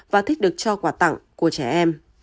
và thích được cho quà tặng của trẻ em